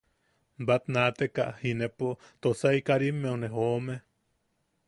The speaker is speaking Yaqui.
Batnaataka inepo Tosai Karimmeu ne joome.